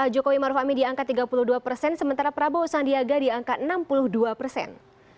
jokowi maruf amin di angka tiga puluh dua persen sementara prabowo sandiaga di angka enam puluh dua persen